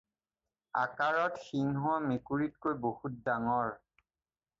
আকাৰত সিংহ মেকুৰিতকৈ বহুত ডাঙৰ।